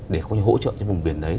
để hỗ trợ cho vùng biển đấy